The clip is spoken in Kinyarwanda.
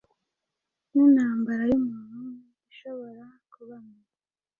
Nintambara yumuntu umwe-ishobora kuba mbi